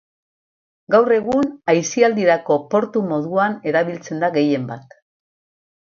Gaur egun, aisialdirako portu moduan erabiltzen da gehienbat.